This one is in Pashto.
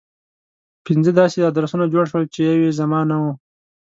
پنځه داسې ادرسونه جوړ شول چې يو يې زما نه و.